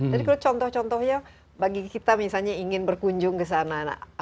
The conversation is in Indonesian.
jadi kalau contoh contohnya bagi kita misalnya ingin berkunjung ke sana